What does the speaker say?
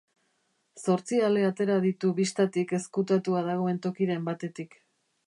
Zortzi ale atera ditu bistatik ezkutatua dagoen tokiren batetik.